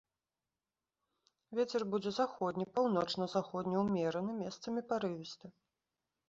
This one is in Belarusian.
Вецер будзе заходні, паўночна-заходні, умераны, месцамі парывісты.